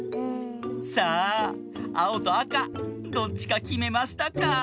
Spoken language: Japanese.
さああおとあかどっちかきめましたか？